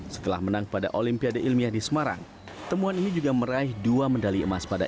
setelah menang pada olimpiade ilmiah di semarang temuan ini juga meraih dua medali emas pada